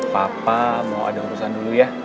papa mau ada urusan dulu ya